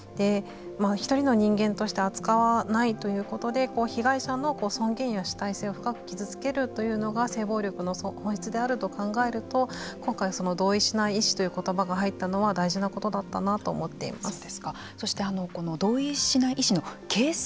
１人の人間として扱わないということで被害者の尊厳や主体性を深く傷つけるというのが性暴力の本質であると考えると今回、同意しない意思という言葉が入ったのは大事なことだったなそしてこの同意しない意思の形成